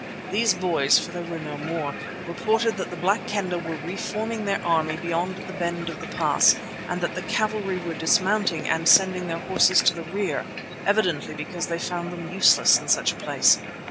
These boys, for they were no more, reported that the Black Kendah were reforming their army beyond the bend of the pass, and that the cavalry were dismounting and sending their horses to the rear, evidently because they found them useless in such a place.